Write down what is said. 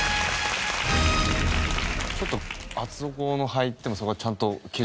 ちょっと厚底のを履いてもそこはちゃんと基準に。